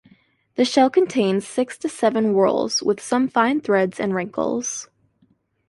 The shell contains six to seven whorls with some fine threads and wrinkles.